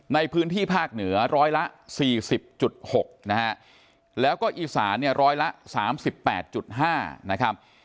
ในพื้นที่ภาคเหนือร้อยละสี่สิบจุดหกนะฮะแล้วก็อีสานเนี่ยร้อยละสามสิบแปดจุดห้านะครับ